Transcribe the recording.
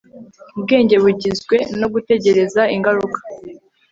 ubwenge bugizwe no gutegereza ingaruka